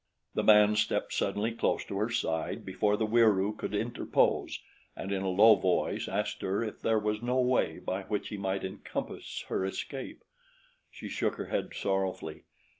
The man stepped suddenly close to her side before the Wieroo could interpose and in a low voice asked her if there was no way by which he might encompass her escape. She shook her head sorrowfully.